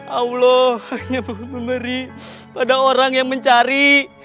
allah hanya memberi pada orang yang mencari